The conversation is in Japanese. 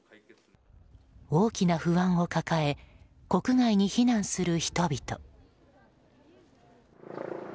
大きな不安を抱え国外に避難する人々。